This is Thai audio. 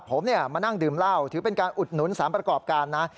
ผมมานั่งดื่มเหล้าถือเป็นการอุดหนุนสารประกอบการนะ